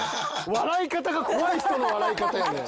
笑い方が怖い人の笑い方やねん！